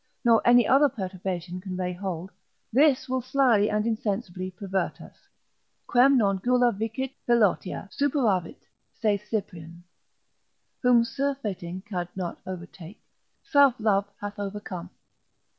nor any other perturbation can lay hold; this will slyly and insensibly pervert us, Quem non gula vicit, Philautia, superavit, (saith Cyprian) whom surfeiting could not overtake, self love hath overcome.